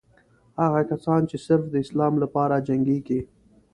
هغه کسان چې صرف د اسلام لپاره جنګېږي.